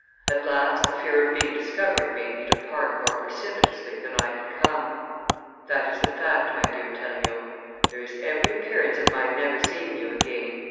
At last the fear of being discovered made me depart more precipitately than I had come. That is the fact, my dear Theriot. There is every appearance of my never seeing you again.